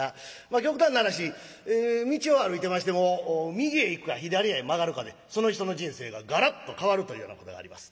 極端な話道を歩いてましても右へ行くか左へ曲がるかでその人の人生がガラッと変わるというようなことがあります。